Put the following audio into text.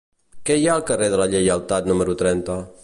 Què hi ha al carrer de la Lleialtat número trenta?